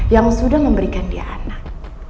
yang sudah memberikan dia anak